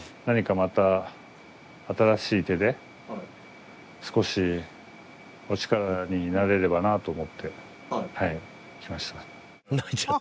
何かまた新しい手で少しお力になれればなと思ってはい来ました